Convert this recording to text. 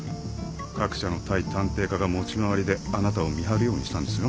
各社の対探偵課が持ち回りであなたを見張るようにしたんですよ。